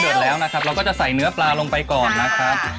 แล้วนะครับเราก็จะใส่เนื้อปลาลงไปก่อนนะครับ